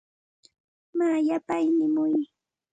Maa yapay nimuy.